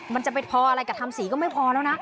มันจะไปพออะไรกับทำสีก็ไม่พอแล้วนะ